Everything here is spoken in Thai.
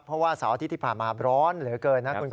เพราะว่าเสาร์อาทิตย์ที่ผ่านมาร้อนเหลือเกินนะคุณก